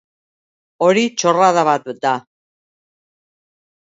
Hori txorrada bat da.